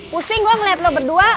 pusing gue ngeliat lo berdua